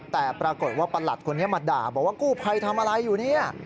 แต่ปรากฏว่าประหลัดคนนี้มาด่าบอกว่ากู้ภัยทำอะไรอยู่เนี่ย